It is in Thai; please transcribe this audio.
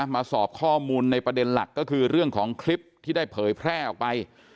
มาสอบข้อมูลในประเด็นหลักก็คือเรื่องของคลิปที่ได้เผยแพร่ออกไป